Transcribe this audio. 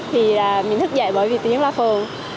thì mình thức dậy bởi vì tiếng loa phưởng